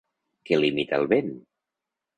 Què limita el vent?